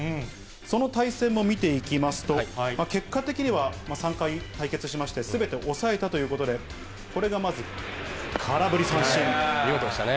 その対戦も見ていきますと、結果的には、３回対決しまして、全て抑えたということで、見事でしたね。